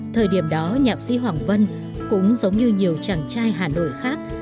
thời điểm đó nhạc sĩ hoàng vân cũng giống như nhiều chàng trai hà nội khác